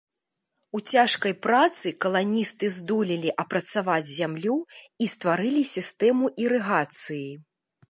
У цяжкай працы каланісты здолелі апрацаваць зямлю і стварылі сістэму ірыгацыі.